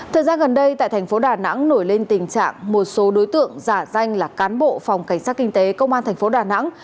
thời gian gần đây tại thành phố đà nẵng nổi lên tình trạng một số đối tượng giả danh là cán bộ phòng cảnh sát kinh tế công an thành phố đà nẵng